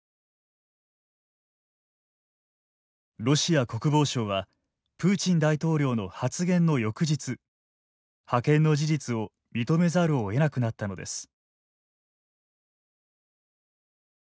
ロシア国防省はプーチン大統領の発言の翌日派遣の事実を認めざるをえなくなったのです。